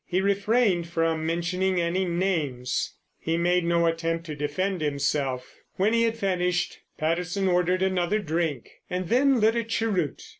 He refrained from mentioning any names; he made no attempt to defend himself. When he had finished Patterson ordered another drink, and then lit a cheroot.